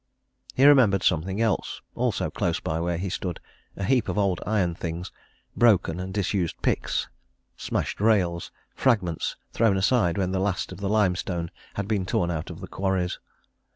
He remembered something else: also close by where he stood a heap of old iron things broken and disused picks, smashed rails, fragments thrown aside when the last of the limestone had been torn out of the quarries.